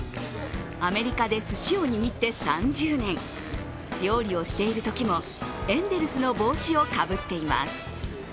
アメリカですしを握って３０年料理をしているときもエンゼルスの帽子をかぶっています。